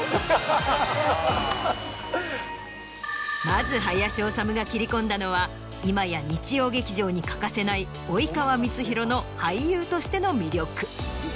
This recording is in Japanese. まず林修が切り込んだのは今や日曜劇場に欠かせない及川光博の俳優としての魅力。